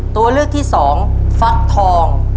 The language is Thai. ตัวเลือกที่สองฟักทอง